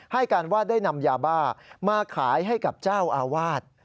ให้การว่าได้นำยาบ้ามาขายให้กับเจ้าอาวาส